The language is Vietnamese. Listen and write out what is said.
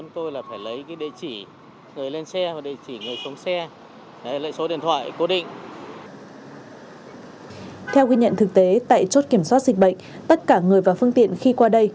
theo ghi nhận thực tế tại chốt kiểm soát dịch bệnh tất cả người và phương tiện khi qua đây